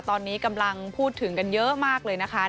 ตอนนี้กำลังพูดถึงกันเยอะมากเลยนะคะ